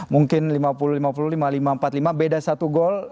mungkin lima puluh lima puluh lima lima ratus empat puluh lima beda satu gol